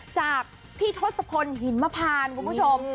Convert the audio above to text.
จากพี่ทศพลหิมพานคุณผู้ชม